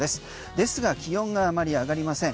ですが気温があまり上がりません。